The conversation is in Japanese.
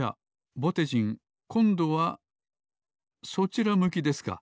ぼてじんこんどはそちら向きですか。